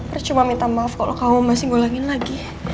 aku cuma minta maaf kalau kamu masih ngulangin lagi